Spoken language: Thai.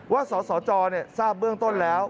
สสจทราบเบื้องต้นแล้ว